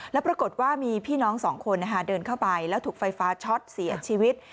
แล้วปรากฏว่ามีพี่น้องสองคนเดินเข้าไปแล้วถูกไฟฟ้าช็อตเสียชีวิต